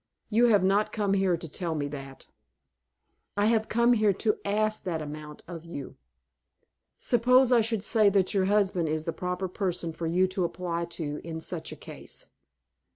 You have not come here to tell me that?" "I have come here to ask that amount of you." "Suppose I should say that your husband is the proper person for you to apply to in such a case."